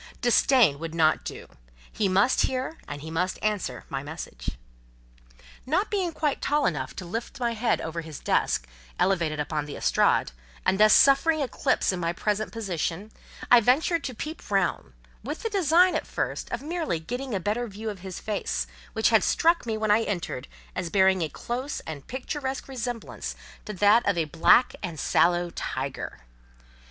Disdain would not do: he must hear and he must answer my message. Not being quite tall enough to lift my head over his desk, elevated upon the estrade, and thus suffering eclipse in my present position, I ventured to peep round, with the design, at first, of merely getting a better view of his face, which had struck me when I entered as bearing a close and picturesque resemblance to that of a black and sallow tiger.